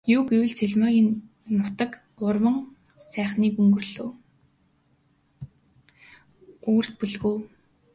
Юу гэвэл, Цэрмаагийн нутаг Гурван сайхны өвөрт бөлгөө.